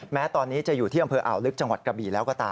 แม้ตอนนี้จะอยู่ที่อำเภออ่าวลึกจังหวัดกระบีแล้วก็ตาม